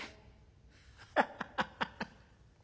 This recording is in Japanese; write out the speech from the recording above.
ハハハハ。